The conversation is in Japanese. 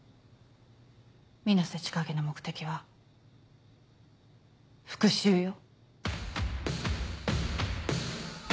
水瀬千景の目的は復讐よ。